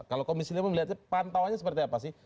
kalau komisi lima melihatnya pantauannya seperti apa sih